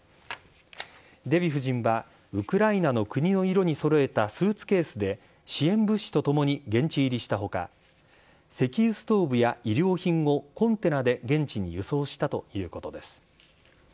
デヴィ夫人はウクライナの国の色にそろえたスーツケースで、支援物資とともに現地入りしたほか、石油ストーブや医療品をコンテナで現地に輸送したということです。